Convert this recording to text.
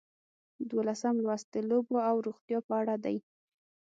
دولسم لوست د لوبو او روغتیا په اړه دی.